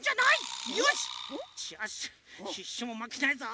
よしシュッシュもまけないぞ。